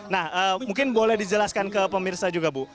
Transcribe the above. nah mungkin boleh dijelaskan ke pemirsa juga bu